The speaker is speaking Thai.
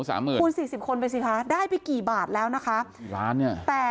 คุณ๔๐คนด้วยสิคะได้ไปกี่บาทแล้วนะคะ